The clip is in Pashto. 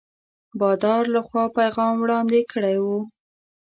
بادار له خوا پیغام وړاندي کړی وو.